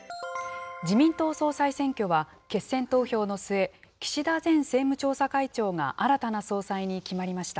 自民党総裁選挙は、決選投票の末、岸田前政務調査会長が新たな総裁に決まりました。